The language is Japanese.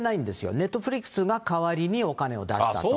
ネットフリックスが代わりにお金を出したと。